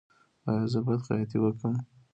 ایا زه باید خیاطۍ وکړم؟